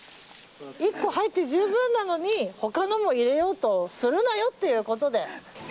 １個入って十分なのに他のも入れようとするなよっていうことで。